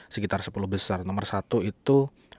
sekitar sepuluh besar nomor satu itu